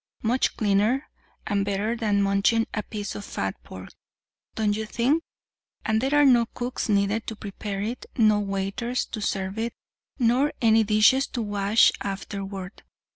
Much cleaner and better than munching a piece of fat pork, don't you think? And there are no cooks needed to prepare it, no waiters to serve it, nor any dishes to wash afterward.